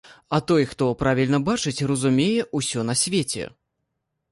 А той, хто правільна бачыць, разумее ўсё на свеце.